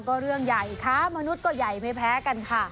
ก็เรื่องใหญ่ค่ะมนุษย์ก็ใหญ่ไม่แพ้กันค่ะ